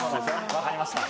わかりました。